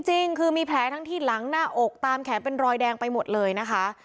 จริงคือมีแผลทั้งที่หลังหน้าอกตามแขนเป็นรอยแดงไปหมดเลยนะคะ